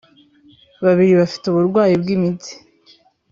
babiri bafite uburwayi bw'imitsi